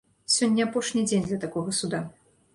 Сёння апошні дзень для такога суда.